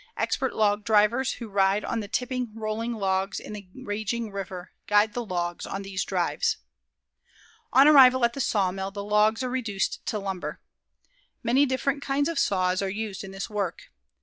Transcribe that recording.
Expert log drivers who ride on the tipping, rolling logs in the raging river, guide the logs on these drives. On arrival at the sawmill, the logs are reduced to lumber. Many different kinds of saws are used in this work.